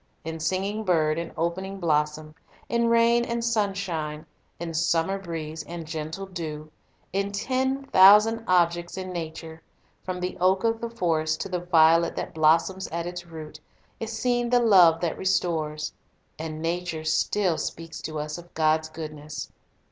In singing bird and opening blossom, in rain and sunshine, in summer breeze and gentle dew, in ten thousand objects in nature, from the oak of the forest to the violet that blossoms at its root, is seen the love that restores. And nature still speaks to us of God's goodness.